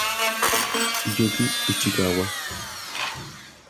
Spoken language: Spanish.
Yuji Ishikawa